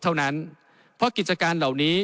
เท่านั้นเพราะกิจการเหล่านี้